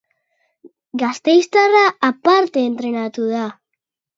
Gasteiztarra aparte entrenatu da.